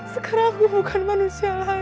sekarang aku bukan manusia lain